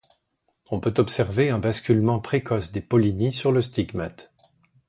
On peut observer un basculement précoce des pollinies sur le stigmate.